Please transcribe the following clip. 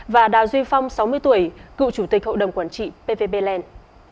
và đào duy phong sáu mươi tuổi cựu chủ tịch hội đồng quản trị pvp land